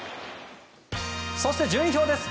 そして順位表です。